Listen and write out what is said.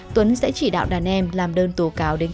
tuấn sẽ chỉ đạo đàn em làm đơn tổ cáo đến cơ quan công an